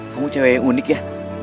kamu cewek yang unik ya